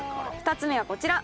２つ目はこちら。